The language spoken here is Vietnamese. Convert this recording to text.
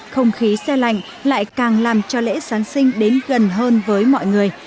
không khí xe lạnh lại càng làm cho lễ giáng sinh đến gần hơn với mọi người